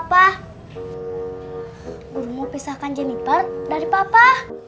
pa guru mau pisahkan jeniper dari papa